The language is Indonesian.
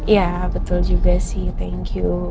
ya betul juga sih thank you